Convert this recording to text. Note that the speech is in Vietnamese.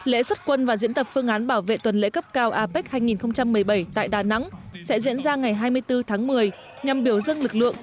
lễ xuất quân và diễn tập phương án bảo vệ tuần lễ cấp cao apec hai nghìn một mươi bảy tại đà nẵng sẽ diễn ra ngày hai mươi bốn tháng một mươi nhằm biểu dân lực lượng